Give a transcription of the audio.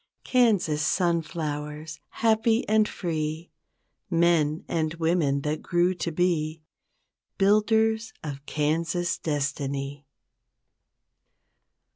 Kansas sunflowers happy and free Men and women that grew to be Builders of Kansas destiny.